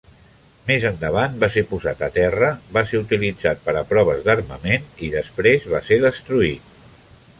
Més endavant va ser posat a terra, va ser utilitzat per a proves d'armament i després va ser destruït.